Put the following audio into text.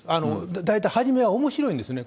大体、初めはおもしろいんですね。